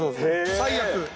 最悪。